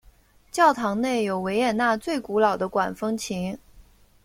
教堂内有维也纳最古老的管风琴。